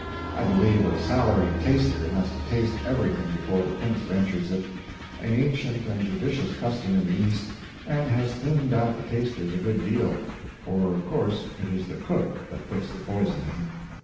I believe a salaried taster has to taste everything before the prince ventures it an ancient and judicious custom in the East, and has thinned out the tasters a good deal, for of course it is the cook that puts the poison in.